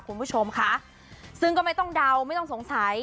คุณผู้ชมค่ะซึ่งก็ไม่ต้องเดาไม่ต้องสงสัย